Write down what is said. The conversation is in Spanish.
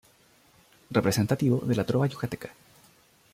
Representativo de la trova yucateca.